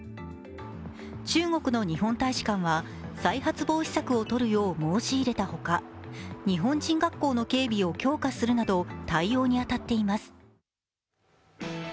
中国の日本大使館は再発防止策をとるよう申し入れたほか、日本人学校の警備を強化するなど対応に当たっています。